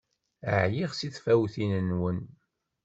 Ɛyiɣ seg tfawtin-nwen!